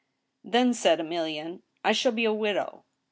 " Then," said Emilienne, " I shall be a widow."